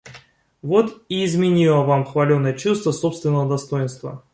Вот и изменило вам хваленое чувство собственного достоинства.